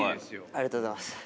ありがとうございます。